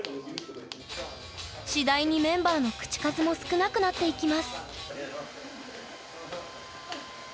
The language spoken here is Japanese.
次第にメンバーの口数も少なくなっていきます